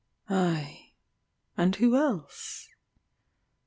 Ay, and who else?